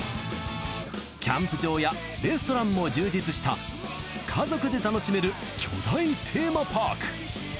キャンプ場やレストランも充実した家族で楽しめる巨大テーマパーク。